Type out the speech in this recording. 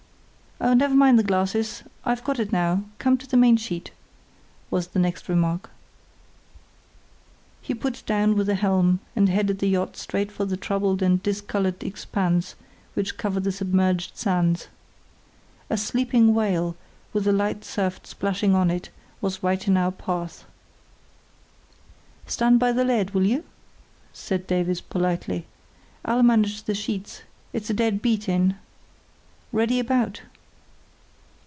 "Never mind the glasses. I've got it now; come to the main sheet," was the next remark. He put down the helm and headed the yacht straight for the troubled and discoloured expanse which covered the submerged sands. A "sleeping whale", with a light surf splashing on it, was right in our path. "Stand by the lead, will you?" said Davies, politely. "I'll manage the sheets, it's a dead beat in. Ready about!"